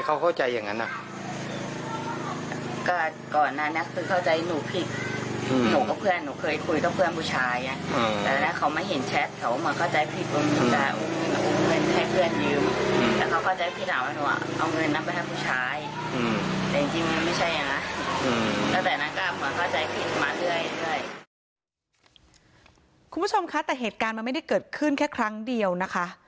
คุณผู้ชมคะแต่เหตุการณ์มันไม่ได้เกิดขึ้นแค่ครั้งเดียวนะคะ